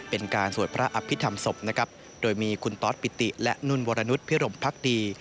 เป็นการสวดพระอภิษฐรรมศพนะครับโดยมีคุณตอสปิติและนุ่นวรนุษย์พิรมพักดี